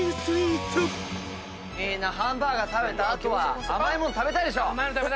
ハンバーガー食べた後は甘いもん食べたいでしょ。